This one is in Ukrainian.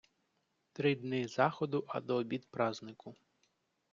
Три дни заходу, а до обід празнику.